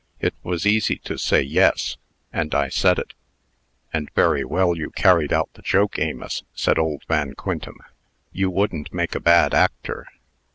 It was easy to say 'Yes,' and I said it." "And very well you carried out the joke, Amos," said old Van Quintem. "You wouldn't make a bad actor."